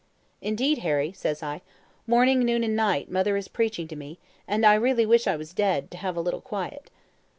"'Indeed, Harry,' says I, 'morning, noon, and night, mother is preaching to me, and I really wish I was dead, to have a little quiet.'